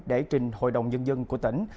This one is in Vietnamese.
để trình hội đồng nhân dân của tỉnh